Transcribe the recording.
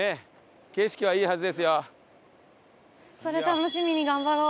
それ楽しみに頑張ろう。